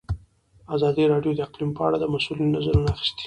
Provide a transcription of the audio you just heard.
ازادي راډیو د اقلیم په اړه د مسؤلینو نظرونه اخیستي.